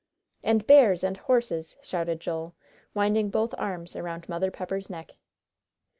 "And bears and horses," shouted Joel, winding both arms around Mother Pepper's neck.